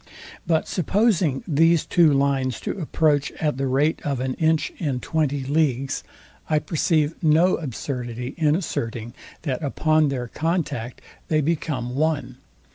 But supposing these two lines to approach at the rate of an inch in twenty leagues, I perceive no absurdity in asserting, that upon their contact they become one.